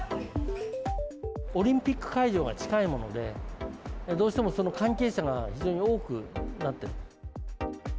オリンピック会場が近いもので、どうしてもその関係者が非常に多くなってる。